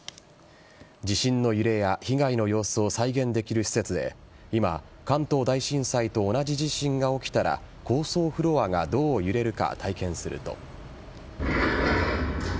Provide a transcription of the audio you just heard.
地震の揺れや被害の様子を再現できる施設で今、関東大震災と同じ地震が起きたら高層フロアがどう揺れるか体験すると。